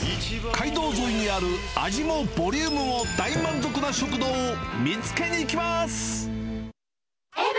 街道沿いにある味もボリュームも大満足の食堂を見つけにいきます。